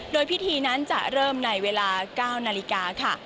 โดยพิธีนั้นจะเริ่มในเวลา๙นาฬิกาค่ะ